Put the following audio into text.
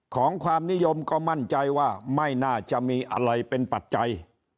ความนิยมก็มั่นใจว่าไม่น่าจะมีอะไรเป็นปัจจัย